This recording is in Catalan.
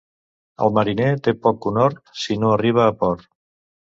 El mariner té poc conhort, si no arriba a port.